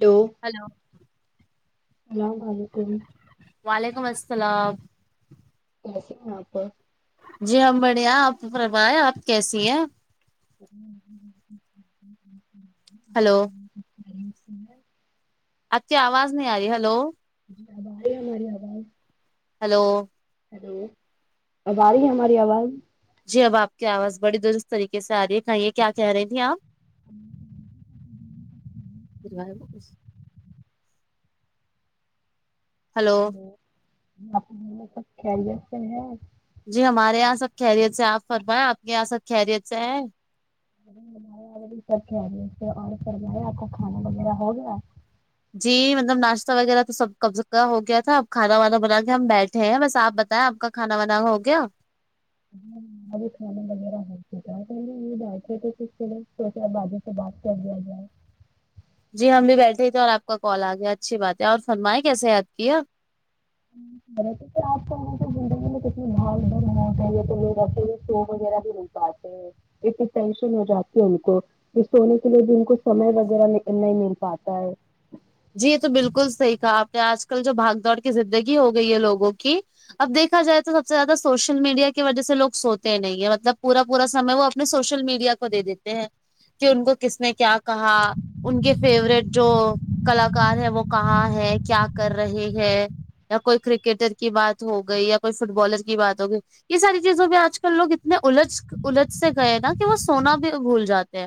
to hello السلام و علیکم وعلیکم السلام [inaudible] جی ہم بڑھیا آپ پروا ہے آپ کیسی ہیں ہلو [inaudible] آپ کی آواز نہیں آ رہی ہلو جی آب آرہی ہے ہماری آواز [inaudible] ہلو ہیلو اب آ رہی ہے ہماری آواز جی اب آپ کی آواز بڑی درست طریقے سے آ رہی ہے کہیے کیا کہہ رہی تھی آپ [inaudible] ہلو آپکے گھر میں سبخیریت سے ہیں جی ہمارے یہاں سب خیریت سے آپ فرمائےیں آپ کے یہاں سب خیریت سے ہیں [inaudible] اور فرماے اپکا کھانا وغیرہ ہوگیا جی مطلب ناشتہ وغیرہ تو سب کبز کا ہو گیا تھا اب کھانا وانا بنا کے ہم بیٹھے ہیں بس آپ بتائیں آپ کا کھانا وانا ہو گیا ابھی کھانا وغیرہ ہو چکا [unintelligible] سے بعد کل لیا جائے [inaudible] جی ہم بھی بیٹھے ہی تھے اور آپ کا کال آ گیا اچھی بات ہے اور فرمائے کیسے یاد کیا ہوں ہوں رہ تو آپ کا موسم زندگی میں کتنی بھاڑ دھ مو ہے تو ل سو وغیرہ بھی نہیں پاتے ہیں [inaudible] اتنی ٹینشن ہو جاتی ہے ان کو یہ سونے کے لیے بھی ان کو سمے لگ رہا نہیں مل پاتا ہے جی یہ تو بالکل صحیح کہا آپ نے آج کل جو بھاگ دوڑ کی زندگی ہو گئی ہے لوگوں کی اب دیکھا جائے تو سب سے زیادہ سوشل میڈیا کی وجہ سے لوگ سوتے نہیں ہے مطلب پورا پورا سمے وہ اپنے سوشل میڈیا کو دے دیتے ہیں کہ ان کو کس نے کیا کہا ان کے فیورٹ جو کلاکار ہے وہ کہاں ہے کیا کر رہے ہیں یا کوئی کرکٹر کی بات ہو گئی یا کوئی فٹ بالر کی بات ہو گئی یہ ساری چیزوں پہ آج کل لوگ اتنے الجھ الجھ سے گئے نا کہ وہ سونا بھی بھول جاتے ہیں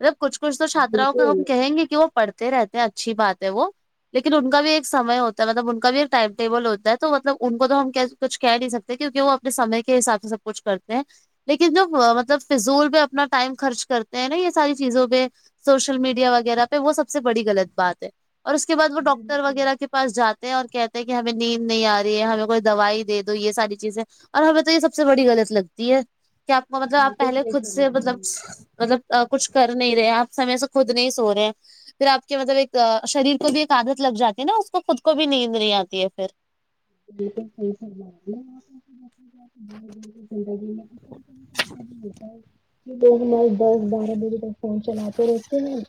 مطلب کچھ کچھ تو چھاتروں کو بالکل ہم کہیں گے کہ وہ پڑھتے رہتے ہیں اچھی بات ہے وہ لیکن ان کا بھی ایک سمئے ہوتا ہے مطلب ان کا بھی ایک ٹائم ٹیبل ہوتا ہے تو مطلب ان کو تو ہم کچھ کہہ نہیں سکتے کیونکہ وہ اپنے سمے کے حساب سے سب کچھ کرتے ہیں لیکن جب مطلب فضول پہ اپنا ٹائم خرچ کرتے ہیں نا یہ ساری چیزوں پہ سوشل میڈیا وغیرہ پہ وہ سب سے بڑی غلط بات ہے اور اس کے بعد وہ ڈاکٹر بالکل وغیرہ کے پاس جاتے ہیں اور کہتے ہیں کہ ہمیں نیند نہیں آ رہی ہے ہمیں کوئی دوائی دے دو یہ ساری چیزیں اور ہمیں تو یہ سب سے بڑی غلط لگتی ہے کہ آپ کو مطلب آپ بالکل پہلے صحیح خود فرما سے رہی مطلب ہیں مطلب کچھ کر نہیں رہے آپ سمے سے خود نہیں سو رہے ہیں پھر آپ کہ مطلب ایک شریر کو بھی ایک عادت لگ جاتی ہے نا اس کو خود کو بھی نیند نہیں آتی ہے پھر بالکل صحیح فرما رہی ہیں [unintelligible] لوگ دس بارہ بجے تک فون چلاتے رہتے ہیں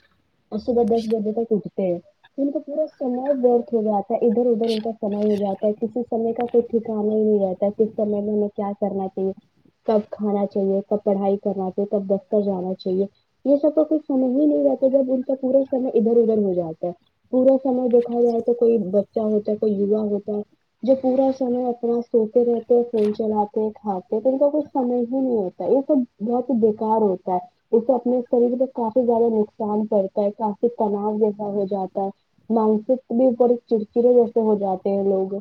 اور صبح دس بجے تک اٹھتے تے ان کو پورا سمے ورت ہو جاتا ہے ادھر ادھر اد کا سمع ہو جاتا ہے نے کا کوئی ٹھکانا نہیں رہتا کس سمے میں ہمیں کیا کرنا چاہیے کب کھانا چاہیے کب پڑھائی کرنا چاہیے کب دفتر جانا چاہیے یہ سب کا کچھ سمجھ ہی نہیں جاتا جب ان کا پورا سمے ادھر ادھر ہو جاتا ہے پورا سمے دیکھا جائے تو کوئی بچہ ہوتا ہے کوئی بڑھا ہوتا ہے جو پورا سمے اپنا سوتے رہتے ہیں فون چلاتے ہیں کھاتے ہیں تو ان کا کچھ سمئے ہی نہیں ہوتا یہ سب بہت ہی بیکار ہوتا ہے اسے اپنے شریر پے کافی زیادہ نقصان پڑتا ہے کافی تناؤ جیسا ہو جاتا ہے مانسک بھی اپر چڑچڑے جیسے ہو جاتے ہیں لوگ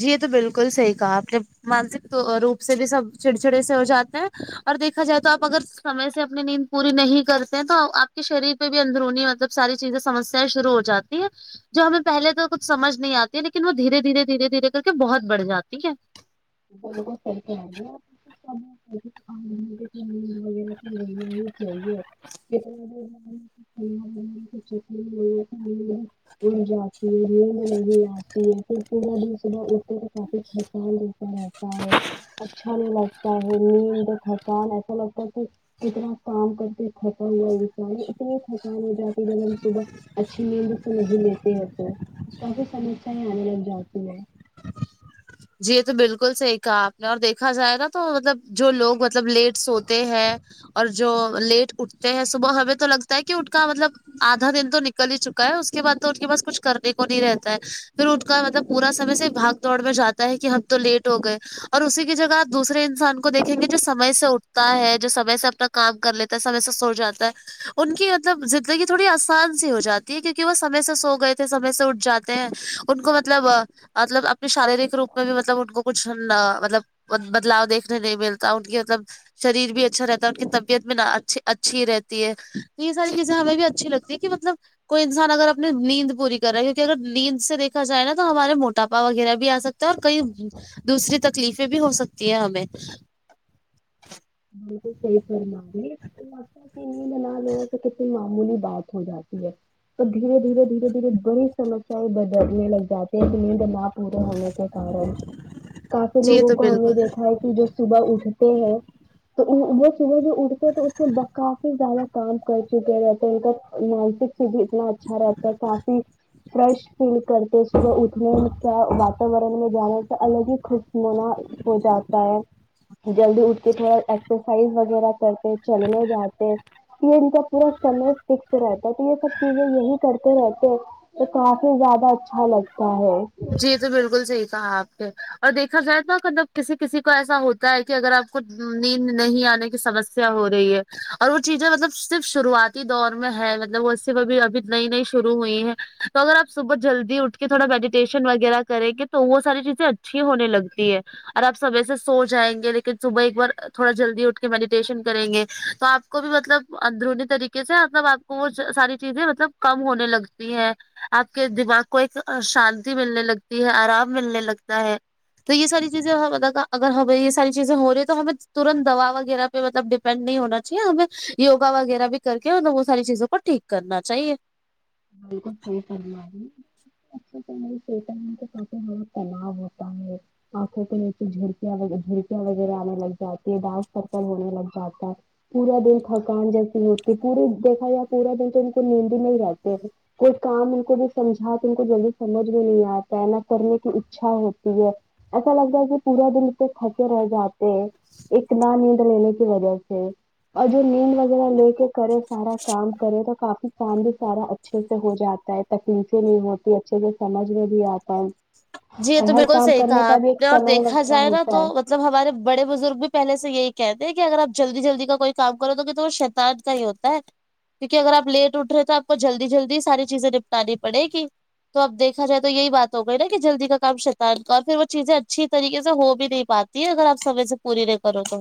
جی یہ تو بالکل صحیح کہا آپ نے مانسک روپ سے بھی سب چڑچڑی سے ہو جاتے ہیں اور دیکھا جائے تو آپ اگر سمے سے اپنی نیند پوری نہیں کرتے تو آپ کے شریر پہ بھی اندرونی مطلب ساری چیزیں سمسیایں شرو ہو جاتی ہیں جو ہمیں پہلے تو کچھ سمج نہیں آتی ہے لیکن وہ دھیرے دھیرے دھیرے دھیرے کر کے بہت بڑھ جاتی ہے بالکل صحیح کہہ رہی ہیں اپ اب [unintelligible] وغیرہ تو لیننا ہی چاہیے [unintelligible] وہ جاتی ہے نیند نہیں آتی ہے پھر پورا دن صبح اٹھتے تو کافی تھکن جیسا رہتا ہے اچھا نہیں لگتا ہے نیند تھکن ایسا لگتا ہے کہ کتنا کام کرتے تھکا ہوا بیچے اتنی تھکان ہو جاتی جب ہم صبح اچھی نیند سے نہیں لیتے ہے تو کافی سمسیا آنے لگ جاتی ہے جی یہ تو بالکل صحیح کہا آپ نے اور دیکھا جائے گا تو مطلب جو لوگ مطلب لیٹ سوتے ہیں اور جو لیٹ اٹھتے ہیں صبح ہمیں تو لگتا ہے کہ ان کا مطلب آدھا دن تو نکل ہی چکا ہے اس کے بعد تو ان کے پاس کچھ کرنے کو نہیں رہتا ہے پھر ان کا مطلب پورا سمے صرف بھگ دوڑ میں جاتا ہے کہ ہم تو لیٹ ہو گئے اور اسی کی جگہ آپ دوسرے انسان کو دیکھیں گے جو سمے سے اٹھتا ہے جو سمے سے اپنا کام کر لیتا ہے سمے سے سو جاتا ہے ان کی مطلب زندگی تھوڑی آسان سی ہو جاتی ہے کیونکہ وہ سمے سے سو گئے تھے سمے سے اٹھ جاتے ہیں ان کو مطلب مطلب اپنی شارییرک روپ میں بھی مطلب ان کو کچھ مطلب بدلاؤ دیکھنے نہیں ملتا ان کی مطلب شریر بھی اچھا رہتا ہے ان کی طبیعت بھی نہ اچھی اچھی رہتی ہے تو یہ ساری چیزیں ہمیں بھی اچھی لگتی ہے کہ مطلب کوئی انسان اگر اپنی نیند پوری کر رہا ہے کیکہ اگر نیند سے دیکھا جائے نا تو ہمارے موٹاپا وغیرہ بھی آ سکتا اور کئی دوسری تکلیفیں بھی ہو سکتی ہے ہمیں بالکل صحیح فرما رہی ہے نہ دین کہ ک [unintelligible] بولی بات ہو جاتی ہے اور دھیرے دھیرے دھیرے دھیرے بڑی سمسیایں بدلنے لگ جاتی ہیں کہ نیندم آپ پورا ہونے کے کارن کافی جی یہ لوگوں تو کو ہم نے بالکل دیکھا ہے کہ جو صبح اٹھتے ہیں تو وہ صبح جو اٹھتے ہیں تو اس میں کافی زیادہ کام کر چکے رہتے ہیں ان کا مانسک بھی اتنا اچھا رہتا ہے کافی فریش فیل کرتے صبح اتھ کا واتاورن میں جان الگ ہی خوشنما ہو جاتا ہے جلدی اٹھ کہ تھوڑا ایکسرسائز وغیرہ کرتے چلنے جاتے یہ ان کا پورا سمے فکس رہتا ہے تو یہ سب چیزیں یہی کرتے رہتے تو کافی زیادہ اچھا لگتا ہے جی یہ تو بالکل صحیح کہا آپ نے اور دیکھا جائے توا مطلب کسی کسی کو ایسا ہوتا ہے کہ اگر آپ کو نیند نہیں آنے کی سمسیا ہو رہی ہے اور وہ چیزیں مطلب صرف شروعاتی دور میں ہے مطلب ویسے میں بھی ابھی نئی نئی شروع ہوئی ہے تو اگر آپ صبح جلدی اٹھ کے تھوڑا میڈی ٹشن وغیرہ کریں گے تو وہ ساری چیزیں اچھی ہونے لگتی ہے اور آپ سمے سے سو جائیں گے لیکن صبح ایک بار تھوڑا جلدی اٹھ کے میڈیٹیشن کریں گے تو آپ کو بھی مطلب اندرونی طریقے سے مطلب آپ وہ ساری چیزیں مطلب کم ہونے لگتی ہیں آپ کے دماغ کو ایک ا شان تی ملنے لگتی ہے آرام ملنے لگتا ہے تو یہ ساری چیزیں اگر ہمیں یہ ساری چیزیں ہو رہی ہیں تو ہمیں تورنت دوا وغیرہ پہ مطلب ڈیپینڈ نہیں ہونا چاہیے ہمیں یوگا وغیرہ بھی کر کے وہ ساری چیزوں کو ٹھیک کرنا چاہیے بالکل صحیح فرما رہی ہیں [unintelligible] تنہا ہوتا ہے آنکھوں کے نیچے جھڑکیاں جھڑکیاں وغیرہ آنے لگ جاتی ہے ڈارک سرکل ہونے لگ جاتا ہے پورا دن تھکان جیسی ہوتی پوری دیکھا جائے پورا دن تو ان کو نیند ہی نہیں رہتی ابھی کوئی کام ان کو بھی سمجھا تو ان کو جلدی سمجھ میں نہیں آتا ہے نہ کرنے کی اکچھا ہوتی ہے ایسا لگتا ہے کہ پورا دن اتے تھکے رہ جاتے ہیں اتنا نیند لینے کی وجہ سے اور جو نیند اگر وہ لے کے کرے سارا کام کرے تو کافی کام بھی سارا ا چھے سے ہو جاتا ہے تکلیفیں نہیں ہوتی اچھے سے سمجھ میں بھی آتا ہے جی یہ اور تو ہر بالکل کام صحیح کرنے کہا کا بھی آپ ایک نے اور سمے دیکھا وغیرہ جائے نا ہوتا تو ہے مط لب ہمارے بڑے بزرگ بھی پہلے سے یہی کہتے ہیں کہ اگر آپ جلدی جلدی کا کوئی کام کرو گے تو وہ شیطان کا ہی ہوتا ہے کیونکہ اگر آپ لیٹ اٹھ رہے ہیں تو آپ کو جلدی جلدی ساری چیزیں نپٹانی پڑے گی تو اب دیکھا جائے تو یہی بات ہو گئی نہ کہ جلدی کا کام شیطان کا اور پھر وہ چیزیں اچھی طریقے سے ہو بھی نہیں پاتی ہے اگر آپ سمے سے پوری نہیں کرو تو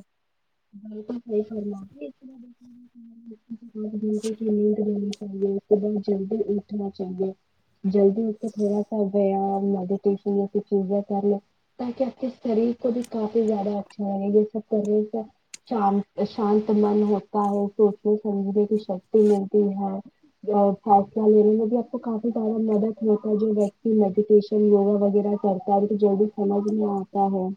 بالکل صحیح فرمایا [unintelligible] [unintelligible] نیند لینے کے لیے تمہیں چاہیے تمہیں جلدی اٹھنا چاہیے جلدی اٹھ کے تھوڑا سا دھیان میڈیٹیشن ایسی چیزیں کرلو تاکہ آپ کے شریر کو بھی کافی زیادہ اچھا ہے یہ سب کرنے کا شانت شانت من ہوتا ہے سوچنے سمجھنے کی شکتی ملتی ہے جو فیصلہ لینے میں بھی آپ کو کافی زیادہ مدد ہوتا ہے جو ویکتی میڈیٹیشن یوگا وغیرہ کرتا ہے تو جو بھی سمجھ میں آتا ہے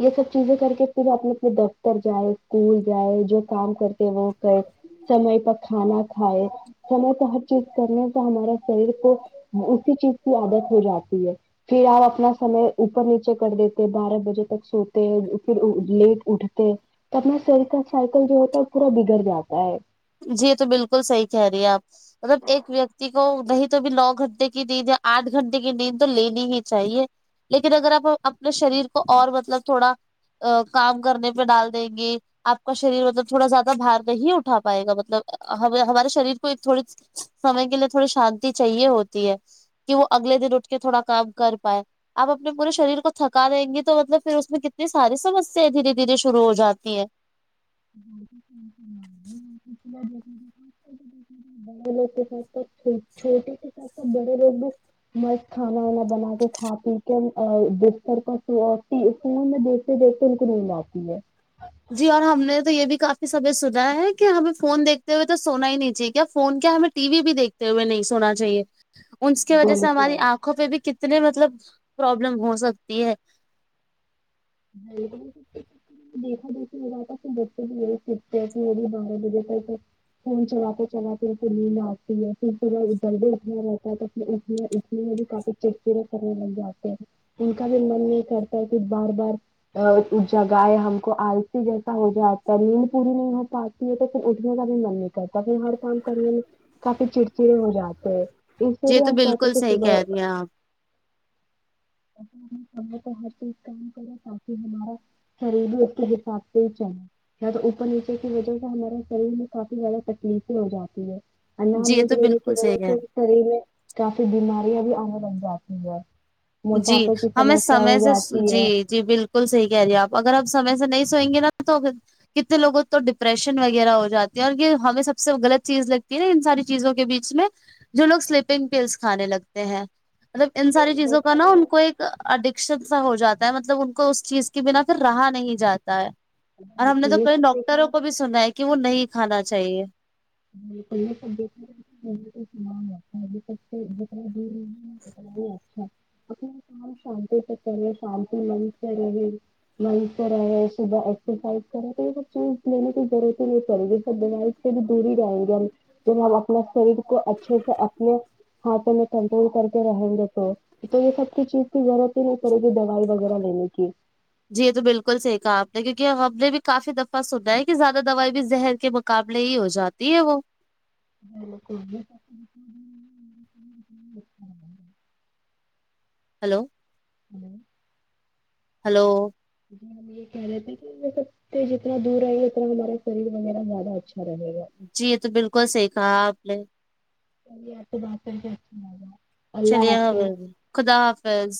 یہ سب چیزیں کر کے پھر اپنے اپنے د فترجائے اسکول جائے جو کام کرتے وہ کر سمے پر کھانا کھائے سمے پے ہر چیز کرنے سے ہمارا شریر کو اسی چیز کی عادت ہو جاتی ہے پھر آپ اپنا سمے اوپر نیچے کر دیتے بارہ بجے تک سوتے ہیں پھر ا لیٹ اٹھ تے اپنا سر کا سائیکل جو ہوتا ہے پورا بگڑ جاتا ہے جی یہ تو بالکل صحیح کہہ رہی آپ مطلب ایک ویکتی کو نہیں تو بھی نو گھنٹے کی نیند یا آٹھ گھنٹے کی نیند تو لینی ہی چاہیے لیکن اگر آپ اپنے شریر کو اور مطلب تھوڑا ا کام کرنے پہ ڈال دیں گے آپ کا شریر مطلب تھوڑا زیادہ بھار نہیں اٹھا پائے گا مطلب ہم ہمارے شریر کو تھوڑی سمے کے لیے تھوڑی شانتی چاہیے ہوتی ہے کہ وہ اگلے دن اٹھ کے تھوڑا کام کر پائے آپ اپنے پورے شریر کو تھکا دیں گی تو مطلب پھر اس میں کتنی ساری سمسیایں دھیرے دھیرے شروع ہو جاتی ہیں دیکھا [unintelligible] چھوٹے [unintelligible] مست کھانا وانا بنا کے کھا پی کے بستر پر [unintelligible] پھر دیکھ کے ان کو نہیں لا آتی ہے جی اور ہم نے تو یے بھی کافی سبھی سنا ہے کہ ہمیں فون دیکتے ہوئے تو سونا ہی نہیں چاہے کیا فون کیا ہمیں ٹی وی بھی دیکھتے ہوئے نہیں سونا چاہیے انس کی وجہ سے ہماری بالکل آنکھوں پی بھی کتنے مطلب پرابلم ہو سکتی ہے [unintelligible] [inaudible] فون چلا کے چلا کے پھر نیند آگتی ہے پھر پا ادرد اٹھنا رہتا ہے تو پھر اس میں اس میں بھی کافی ان کا بھی من نہیں کرتا ہے کی بار بار [unintelligible] اس جگہ ہے ہم کو آلسی جیسا ہو جاتا ہے نیند پوری نہیں ہو پاتی تو پھر اٹھنے کا بھی من نہیں کرتا پھر ہر کام کرنے میں کافی چڑچڑے ہو جاتے اس لی یہ لیے تو آپ چاہتے بالکل تھے صحیح صبح کہہ رہی ہیں آپ [unintelligible] سری بھی اس حساب سے ہی چل یا تو اوپر نیچے کی وجہ سے ہمارے شریر میں کافی زیادہ تکلیفیں ہو جاتی ہے اللہ جی یہ [unintelligible] تو بالکل صحیح وجہ کہہ رہی سے شریر میں کافی بیماریاں بھی آنے لگ جاتی ہیں جی ہمیں سمے سے جاتی جی ہے جی بالکل صحی کہہ رہیے آپ اگر اپ سمے سے نہیں سوئیں گے نا تو کتنے لوگوں تو ڈپریشن وغیرہ ہو جاتی ہے اور یے ہمیں سب سے غلط چیز لگتی ہے نا ان ساری چیزوں کے بیچ میں جو لوگ سلپنگ پلس کھانے لگتے ہیں مطلب ان ساری چیزوں کو دیکھا نا ان کو جائے ایک اڈکشن سا ہو جاتا ہے مطلب ان کو اس چیز کے بنا پھر رہا نہیں جاتا ہے اور ہم نے تو یہ کئی سب ڈاکٹروں دیکھا کو بھی سنا ہے کہ وہ نہیں کھانا چاہیے [inaudible] اچھا اپنا کام شان سے کرے شانتی من سے رہے من کرا ہے صبح ایکسرسائز کرا تو یے سب چیز لینے کی ضرورت ہی نہیں پے گی سب بی سے پور جائیں گے ہم جب ہم اپنا شریر کو اچھے سے اپنے ہاتھو میں کنٹرول کرتے رہیں گے تو تو یے سب کی چیز کی ضرورت ہے ن کررے کی دوائی وغیرہ لینے کی جی یے تو بالکل صح کہا آپ نے کیونکہ ہم نے بھی کافی دفعہ سنا ہے کہ زیادہ دوائی بھی زہر کے مو مقابلے ہی ہو جاتی ہے وہ بالکل بھی ہلو جی ہلو جی ہم یے کہہ رہے تھے کہ تو جتنا دور رہیں گے اتنا ہمارا شریر وغیرہ زیادہ اچھا رہے گا جی یے تو بالکل سحیح کہا آپ نے [inaudible] چلیے حافظ [unintelligible] خدا حافظ